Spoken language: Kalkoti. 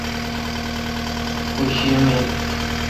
اوں شی می